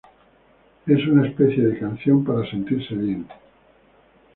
Es una especie de canción para sentirse bien.